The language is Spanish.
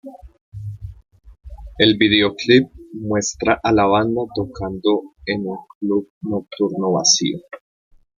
El videoclip muestra a la banda tocando en un club nocturno vacío.